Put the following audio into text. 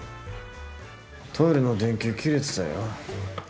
トイレの電球切れてたよ。